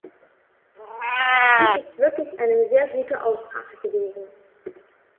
Dies ist wirklich eine sehr gute Aussprache gewesen.